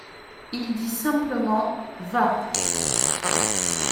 Il dit simplement : Va.